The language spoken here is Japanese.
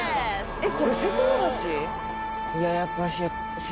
えっ？